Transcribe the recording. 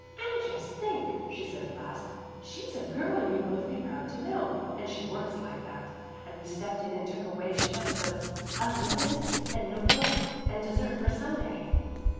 "And just think!" she said at last. "She's a girl you'd both be proud to know, and she works like that. And we stepped in and took away a chance of of ribbons and note books and dessert for Sunday."